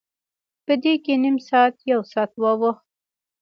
په دې کې نیم ساعت، یو ساعت واوښت.